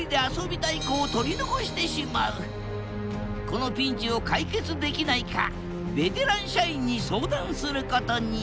このピンチを解決できないかベテラン社員に相談することに